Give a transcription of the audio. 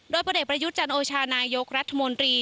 โดยประเด็นประยุจจันโยชนายกรัฐมนตรี